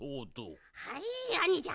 はいあにじゃ。